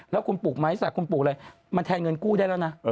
แล้วก็พูดไม้ศักดิ์พูดอะไรมันแทนเงินกู้ได้แล้วนะ